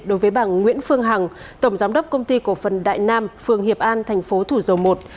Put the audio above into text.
đối với bằng nguyễn phương hằng tổng giám đốc công ty cổ phần đại nam phương hiệp an tp thủ dầu một